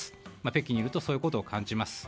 北京にいるとそういうことを感じます。